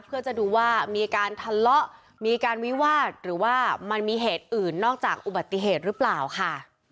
เพื่อจะดูว่ามีการทะเลาะมีการวิวาสหรือว่ามันมีเหตุอื่นนอกจากอุบัติเหตุหรือเปล่าค่ะ